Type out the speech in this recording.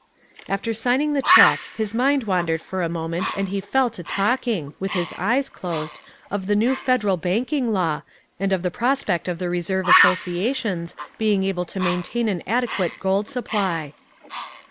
"After signing the cheque his mind wandered for a moment and he fell to talking, with his eyes closed, of the new federal banking law, and of the prospect of the reserve associations being able to maintain an adequate gold supply.